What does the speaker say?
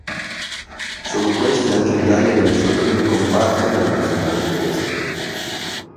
Sono questi anche gli anni delle sue prime comparse nella nazionale tedesca.